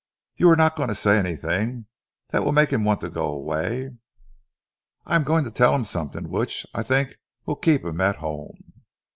"You are not going to say anything that will make him want to go away?" "I am going to tell him something which I think will keep him at home."